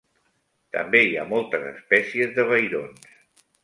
També hi ha moltes espècies de vairons.